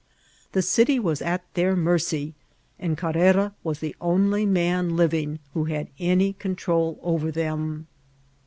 The city was at their mercy, and Carrera was the only man living who had any control over them.